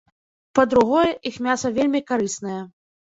Па-другое, іх мяса вельмі карыснае.